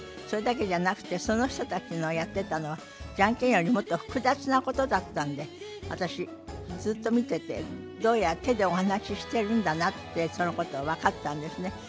それだけじゃなくてその人たちのやってたのはジャンケンよりもっと複雑なことだったんで私ずっと見ててどうやら手でお話ししてるんだなってそのことが分かったんですね。